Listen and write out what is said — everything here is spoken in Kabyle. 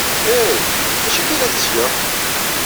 Hey! D acu akka ay la tettgeḍ?